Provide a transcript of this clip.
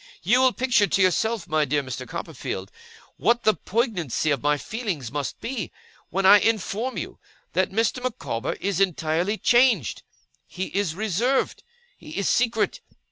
'You will picture to yourself, my dear Mr. Copperfield, what the poignancy of my feelings must be, when I inform you that Mr. Micawber is entirely changed. He is reserved. He is secret.